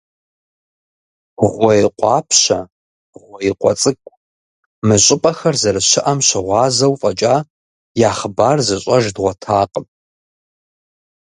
«Гъуей къуапщэ», «Гъуеикъуэ цӀыкӀу» – мы щӀыпӀэхэр зэрыщыӀэм щыгъуазэу фӀэкӀа, я хъыбар зыщӀэж дгъуэтакъым.